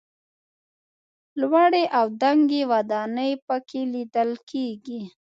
لوړې او دنګې ودانۍ په کې لیدل کېږي.